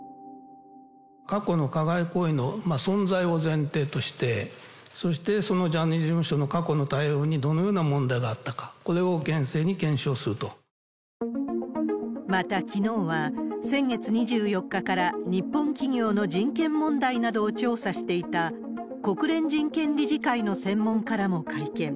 過去の加害行為の存在を前提として、そして、そのジャニーズ事務所の過去の対応にどのような問題があったか、また、きのうは先月２４日から日本企業の人権問題などを調査していた国連人権理事会の専門家らも会見。